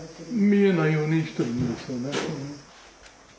見えないようにしてるんですよね。